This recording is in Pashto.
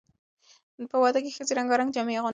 په واده کې ښځې رنګارنګ جامې اغوندي.